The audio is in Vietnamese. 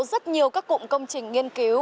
rất nhiều các cụm công trình nghiên cứu